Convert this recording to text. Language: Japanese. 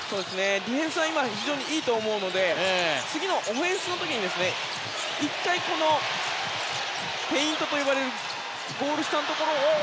ディフェンスは今非常にいいと思うので次のオフェンスの時に１回、ペイントと呼ばれるゴール下のところを。